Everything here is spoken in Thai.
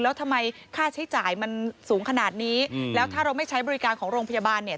แล้วทำไมค่าใช้จ่ายมันสูงขนาดนี้แล้วถ้าเราไม่ใช้บริการของโรงพยาบาลเนี่ย